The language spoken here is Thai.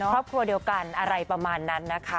ครอบครัวเดียวกันอะไรประมาณนั้นนะคะ